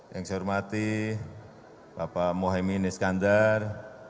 yang saya hormati bapak mohamad neskandar